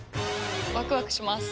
ワクワクします。